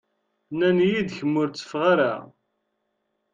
Nnan-iyi-d kemm ur teffeɣ ara.